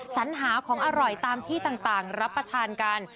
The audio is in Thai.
สัญหาของอร่อยตามที่ต่างรับประทานกัน